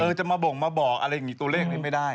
จะมาบ่งมาบอกอะไรอย่างนี้ตัวเลขนี้ไม่ได้